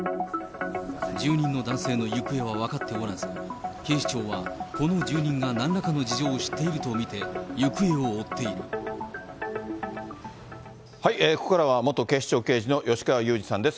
住人の男性の行方は分かっておらず、警視庁はこの住人がなんらかの事情を知っていると見て、行方を追ここからは、元警視庁刑事の吉川祐二さんです。